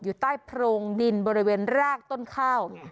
อยู่ใต้โพรงดินบริเวณรากต้นข้าว